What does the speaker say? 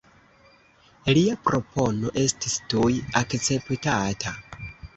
Lia propono estis tuj akceptata.